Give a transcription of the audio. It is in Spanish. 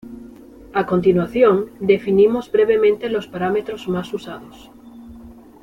A continuación definimos brevemente los parámetros más usados.